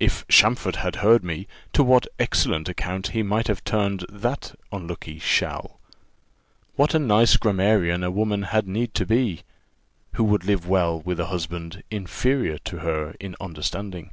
If Champfort had heard me, to what excellent account he might have turned that unlucky shall. What a nice grammarian a woman had need to be, who would live well with a husband inferior to her in understanding!